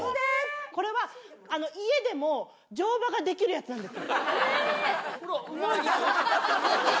これは、家でも乗馬ができるやつなんですよ。